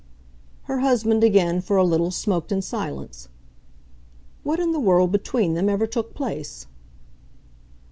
Her husband again, for a little, smoked in silence. "What in the world, between them, ever took place?"